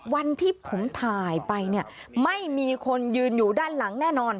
วันที่ผมถ่ายไปเนี่ยไม่มีคนยืนอยู่ด้านหลังแน่นอน